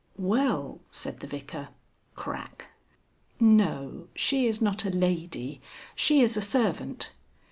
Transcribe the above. "Well," said the Vicar (crack). "No she is not a lady. She is a servant."